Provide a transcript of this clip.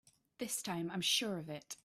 This time I'm sure of it!